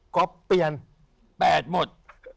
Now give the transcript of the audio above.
ก็เปลี่ยน๘หมด